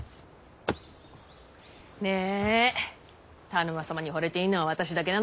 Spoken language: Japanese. ねぇ田沼様にほれていいのは私だけなのにさぁ。